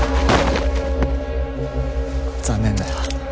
残念だよ。